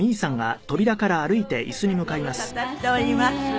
ご無沙汰しておりまして。